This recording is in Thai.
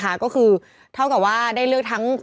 อ่าอ่าอ่าอ่าอ่า